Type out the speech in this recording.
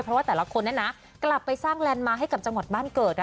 เพราะว่าแต่ละคนกลับไปสร้างแลนด์มาร์ให้กับจังหวัดบ้านเกิด